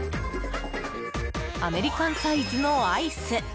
アメリカンサイズのアイス